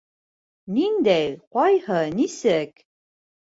Ниндәй? Ҡайһы? Нисек?